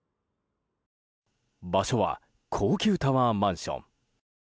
場所は高級タワーマンション。